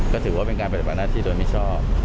ก็ถือว่าเป็นการปฏิบัติหน้าที่โดยมิชอบ